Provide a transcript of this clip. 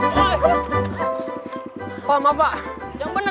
sampai jumpa lagi